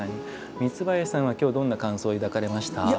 三林さんは、今日どんな感想を抱かれました？